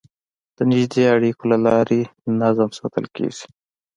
د نږدې اړیکو له لارې نظم ساتل کېږي.